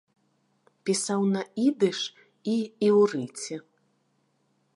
Пісаў на ідыш і іўрыце.